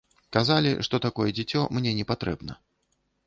Казалі, што такое дзіцё мне не патрэбна.